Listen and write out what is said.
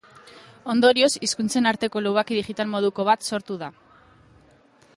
Ondorioz, hizkuntzen arteko lubaki digital moduko bat sortu da.